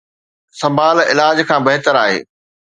سنڀال علاج کان بهتر آهي.